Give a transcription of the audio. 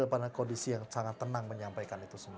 berada dalam kondisi yang sangat tenang menyampaikan itu semua